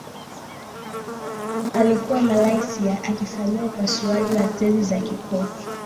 alikuwa malaysia akifanyiwa upasuaji wa tezi ya kibofu